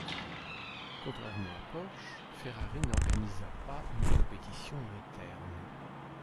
Contrairement à Porsche, Ferrari n’organisa pas une compétition interne.